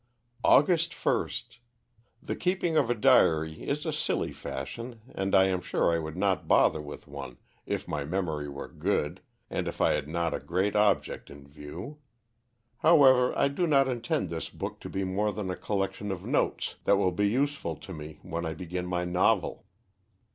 "Aug. 1st. The keeping of a diary is a silly fashion, and I am sure I would not bother with one, if my memory were good, and if I had not a great object in view. However, I do not intend this book to be more than a collection of notes that will be useful to me when I begin my novel.